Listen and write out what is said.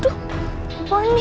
tidak dia menangis